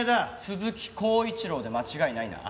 鈴木鉱一郎で間違いないな？